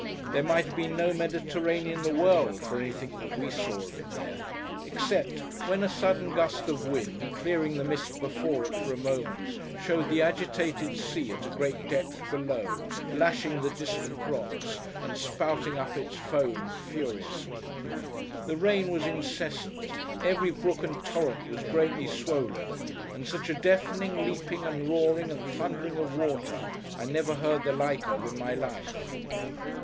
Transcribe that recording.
There might have been no Mediterranean in the world, for anything that we saw of it there, except when a sudden gust of wind, clearing the mist before it, for a moment, showed the agitated sea at a great depth below, lashing the distant rocks, and spouting up its foam furiously. The rain was incessant; every brook and torrent was greatly swollen; and such a deafening leaping, and roaring, and thundering of water, I never heard the like of in my life.